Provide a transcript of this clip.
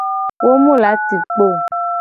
Wo mu la ci kpo o.